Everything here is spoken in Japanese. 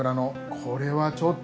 これはちょっと。